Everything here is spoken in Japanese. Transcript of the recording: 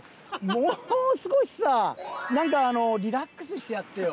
もう少しさなんかリラックスしてやってよ。